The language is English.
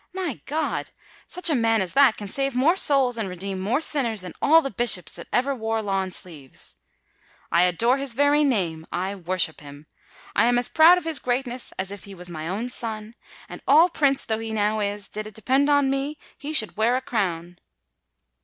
My God! such a man as that can save more souls and redeem more sinners than all the Bishops that ever wore lawn sleeves! I adore his very name—I worship him—I am as proud of his greatness as if he was my own son; and all Prince though he now is, did it depend upon me, he should wear a crown."